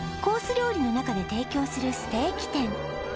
料理の中で提供するステーキ店